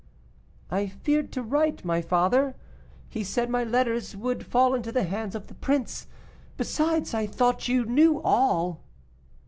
"I feared to write, my father; he said my letters would fall into the hands of the prince. Besides, I thought you knew all."